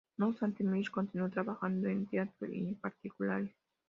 No obstante, Mich continuó trabajando en teatro y en particulares.